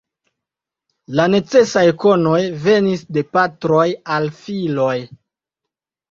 La necesaj konoj venis de patroj al filoj.